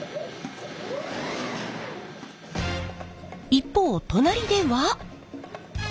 一方隣では。